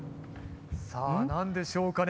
さあ何でしょうかね。